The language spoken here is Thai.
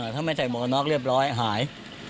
ถ้าไม่ใส่หมวกน็อกเรียบร้อยหาย